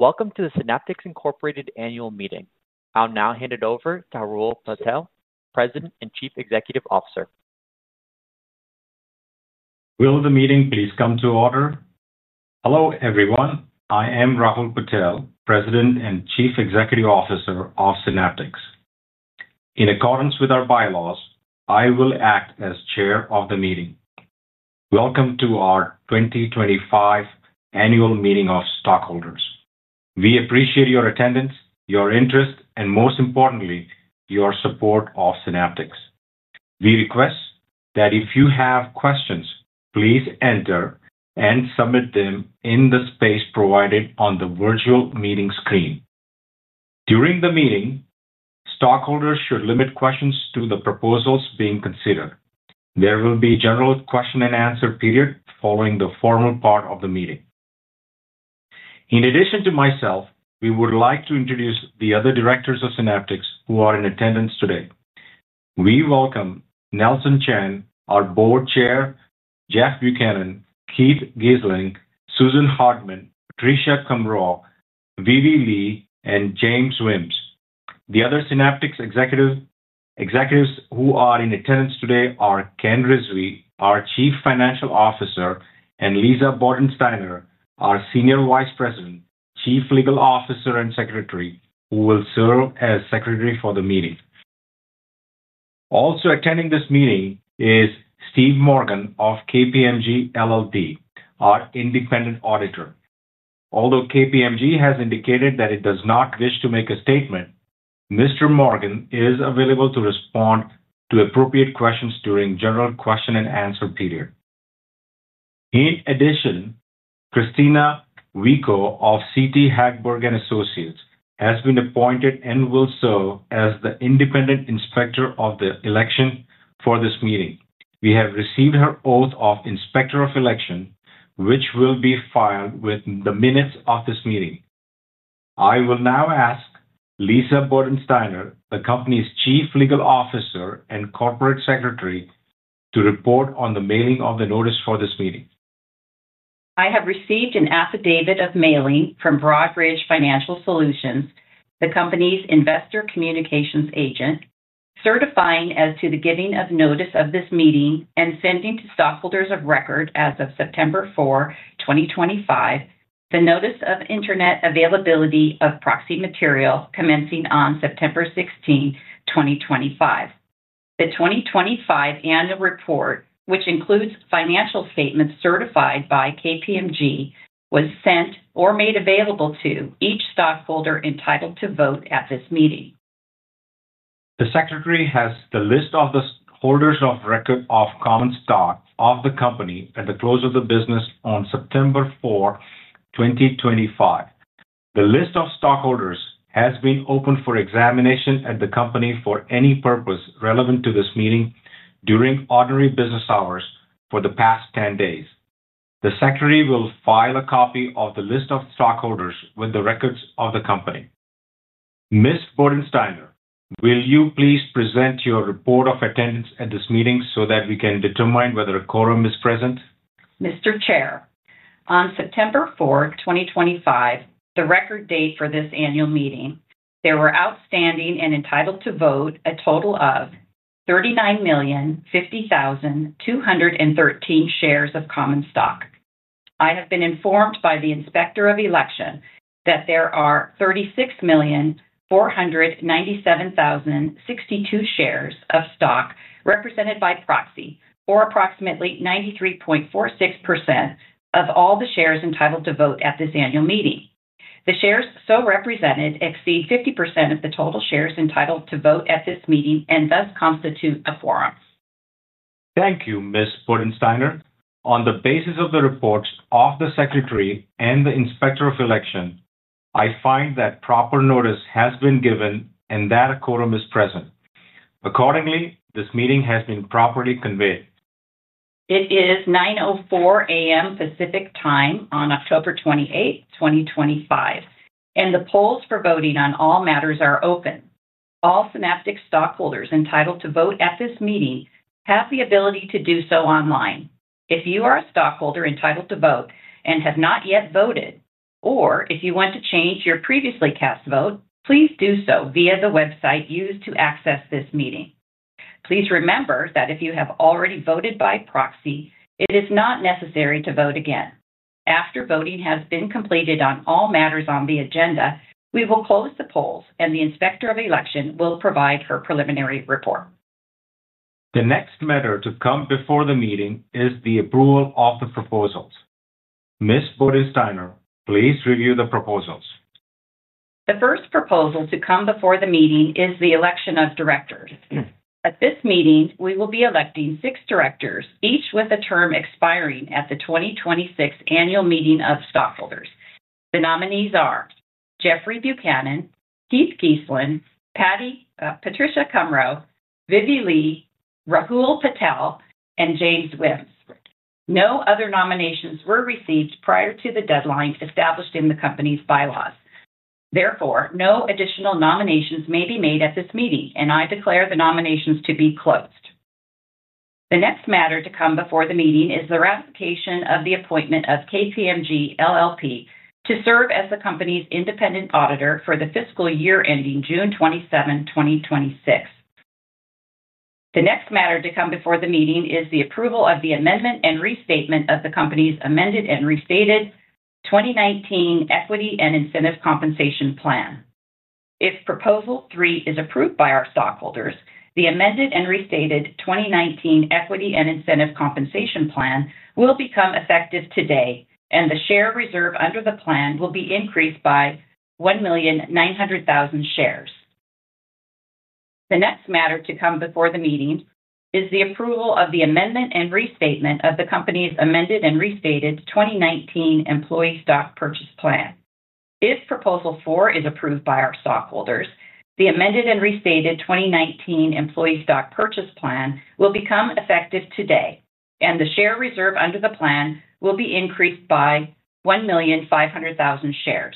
Welcome to the Synaptics Incorporated Annual Meeting. I'll now hand it over to Rahul Patel, President and Chief Executive Officer. Will the meeting please come to order? Hello, everyone. I am Rahul Patel, President and Chief Executive Officer of Synaptics. In accordance with our bylaws, I will act as Chair of the Meeting. Welcome to our 2025 Annual Meeting of Stockholders. We appreciate your attendance, your interest, and most importantly, your support of Synaptics. We request that if you have questions, please enter and submit them in the space provided on the virtual meeting screen. During the meeting, stockholders should limit questions to the proposals being considered. There will be a general question and answer period following the formal part of the meeting. In addition to myself, we would like to introduce the other directors of Synaptics who are in attendance today. We welcome Nelson Chan, our Board Chair, Jeffrey Buchanan, Keith Geeslin, Susan Hardman, Patricia Kummrow, Vivie Lee, and James Whims. The other Synaptics executives who are in attendance today are Ken Rizvi, our Chief Financial Officer, and Lisa Bodensteiner, our Senior Vice President, Chief Legal Officer and Secretary, who will serve as Secretary for the Meeting. Also attending this meeting is Steve Morgan of KPMG LLP, our Independent Auditor. Although KPMG has indicated that it does not wish to make a statement, Mr. Morgan is available to respond to appropriate questions during the general question and answer period. In addition, Christina Wiechow of CT Hagberg & Associates has been appointed and will serve as the Independent Inspector of Election for this meeting. We have received her Oath of Inspector of Election, which will be filed within the minutes of this meeting. I will now ask Lisa Bodensteiner, the Company's Chief Legal Officer and Corporate Secretary, to report on the mailing of the notice for this meeting. I have received an affidavit of mailing from Broadridge Financial Solutions, the Company's Investor Communications Agent, certifying as to the giving of notice of this meeting and sending to stockholders of record as of September 4, 2025, the notice of Internet availability of proxy material commencing on September 16, 2025. The 2025 Annual Report, which includes financial statements certified by KPMG LLP, was sent or made available to each stockholder entitled to vote at this meeting. The Secretary has the list of the holders of record of common stock of the Company at the close of business on September 4, 2025. The list of stockholders has been open for examination at the Company for any purpose relevant to this meeting during ordinary business hours for the past 10 days. The Secretary will file a copy of the list of stockholders with the records of the Company. Ms. Bodensteiner, will you please present your report of attendance at this meeting so that we can determine whether a quorum is present? Mr. Chair, on September 4, 2025, the record date for this Annual Meeting, there were outstanding and entitled to vote a total of 39,050,213 shares of common stock. I have been informed by the Inspector of Election that there are 36,497,062 shares of stock represented by proxy or approximately 93.46% of all the shares entitled to vote at this Annual Meeting. The shares so represented exceed 50% of the total shares entitled to vote at this meeting and thus constitute a quorum. Thank you, Ms. Bodensteiner. On the basis of the reports of the Secretary and the Inspector of Election, I find that proper notice has been given and that a quorum is present. Accordingly, this meeting has been properly convened. It is 9:04 A.M. Pacific Time on October 28, 2025, and the polls for voting on all matters are open. All Synaptics stockholders entitled to vote at this meeting have the ability to do so online. If you are a stockholder entitled to vote and have not yet voted, or if you want to change your previously cast vote, please do so via the website used to access this meeting. Please remember that if you have already voted by proxy, it is not necessary to vote again. After voting has been completed on all matters on the agenda, we will close the polls and the Independent Inspector of Election will provide her preliminary report. The next matter to come before the meeting is the approval of the proposals. Ms. Bodensteiner, please review the proposals. The first proposal to come before the meeting is the election of directors. At this meeting, we will be electing six directors, each with a term expiring at the 2026 Annual Meeting of Stockholders. The nominees are Jeffrey Buchanan, Keith Geeslin, Patricia Kummrow, Vivie Lee, Rahul Patel, and James Whims. No other nominations were received prior to the deadline established in the Company's bylaws. Therefore, no additional nominations may be made at this meeting, and I declare the nominations to be closed. The next matter to come before the meeting is the ratification of the appointment of KPMG LLP to serve as the Company's Independent Auditor for the fiscal year ending June 27, 2026. The next matter to come before the meeting is the approval of the amendment and restatement of the Company's amended and restated 2019 Equity and Incentive Compensation Plan. If Proposal 3 is approved by our stockholders, the amended and restated 2019 Equity and Incentive Compensation Plan will become effective today, and the share reserve under the plan will be increased by 1,900,000 shares. The next matter to come before the meeting is the approval of the amendment and restatement of the Company's amended and restated 2019 Employee Stock Purchase Plan. If Proposal 4 is approved by our stockholders, the amended and restated 2019 Employee Stock Purchase Plan will become effective today, and the share reserve under the plan will be increased by 1,500,000 shares.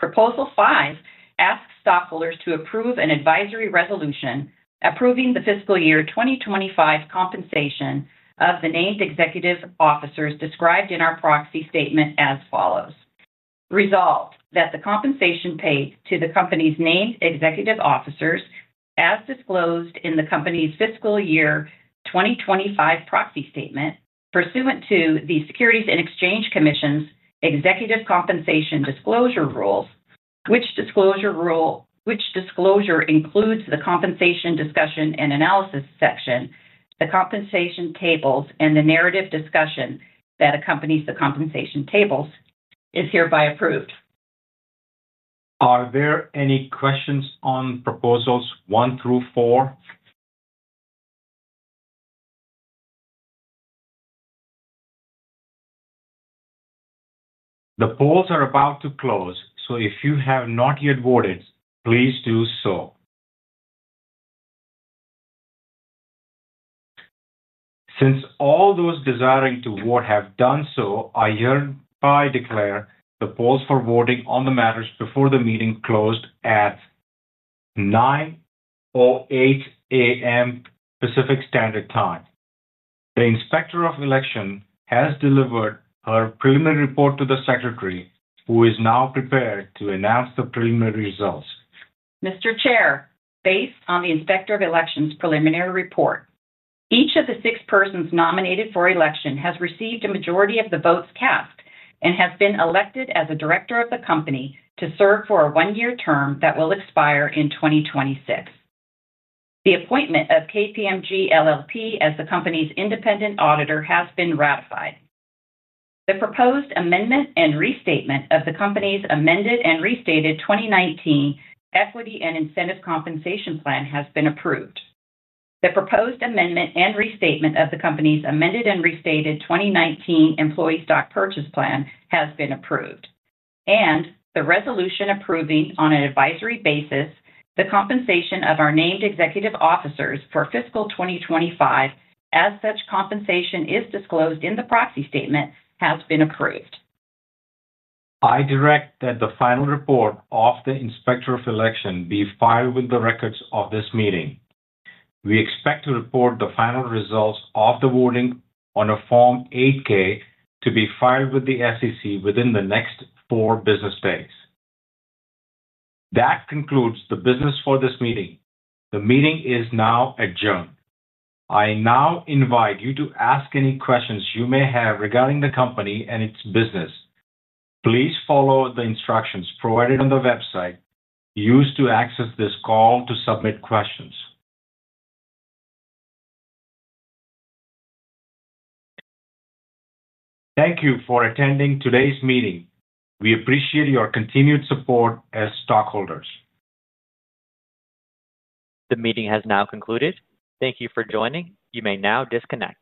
Proposal 5 asks stockholders to approve an advisory resolution approving the fiscal year 2025 compensation of the named executive officers described in our proxy statement as follows. Resolved that the compensation paid to the Company's named executive officers, as disclosed in the Company's fiscal year 2025 proxy statement, pursuant to the Securities and Exchange Commission's Executive Compensation Disclosure Rules, which disclosure includes the compensation discussion and analysis section, the compensation tables, and the narrative discussion that accompanies the compensation tables, is hereby approved. Are there any questions on Proposals 1 through 4? The polls are about to close, so if you have not yet voted, please do so. Since all those desiring o vote have done so, I hereby declare the polls for voting on the matters before the meeting closed at 9:08 A.M. Pacific Standard Time. The Independent Inspector of Election has delivered her preliminary report to the Secretary, who is now prepared to announce the preliminary results. Mr. Chair, based on the Inspector of Election's preliminary report, each of the six persons nominated for election has received a majority of the votes cast and has been elected as a director of the Company to serve for a one-year term that will expire in 2026. The appointment of KPMG LLP as the Company's Independent Auditor has been ratified. The proposed amendment and restatement of the Company's amended and restated 2019 Equity and Incentive Compensation Plan has been approved. The proposed amendment and restatement of the Company's amended and restated 2019 Employee Stock Purchase Plan has been approved. The resolution approving on an advisory basis the compensation of our named executive officers for fiscal 2025, as such compensation is disclosed in the proxy statement, has been approved. I direct that the final report of the Inspector of Election be filed with the records of this meeting. We expect to report the final results of the voting on a Form 8-K to be filed with the SEC within the next four business days. That concludes the business for this meeting. The meeting is now adjourned. I now invite you to ask any questions you may have regarding the Company and its business. Please follow the instructions provided on the website used to access this call to submit questions. Thank you for attending today's meeting. We appreciate your continued support as stockholders. The meeting has now concluded. Thank you for joining. You may now disconnect.